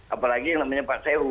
apalagi yang namanya pak sewu